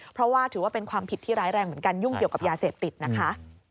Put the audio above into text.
เพราะว่าถือว่าเป็นความผิดที่ร้ายแรงเหมือนกันยุ่งเกี่ยวกับยาเสพติดนะคะ